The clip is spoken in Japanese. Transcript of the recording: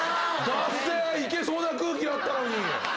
いけそうな空気だったのに。